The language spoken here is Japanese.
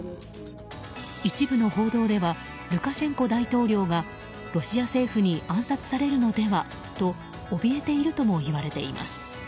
一部の報道ではルカシェンコ大統領がロシア政府に暗殺されるのではと怯えているとも言われています。